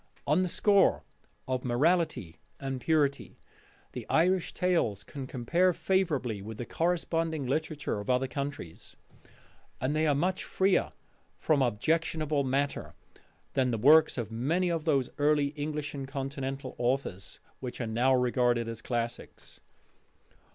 On the score of morality and purity the Irish tales can compare favourably with the corresponding literature of other countries; and they are much freer from objectionable matter than the works of many of those early English and Continental authors which are now regarded as classics.